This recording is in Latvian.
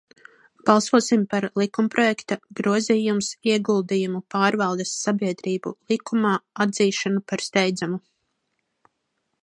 "Balsosim par likumprojekta "Grozījums Ieguldījumu pārvaldes sabiedrību likumā" atzīšanu par steidzamu!"